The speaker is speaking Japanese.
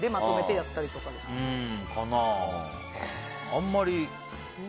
あんまり。